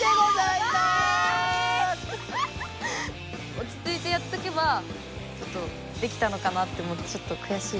おちついてやっとけばできたのかなって思ってちょっとくやしい。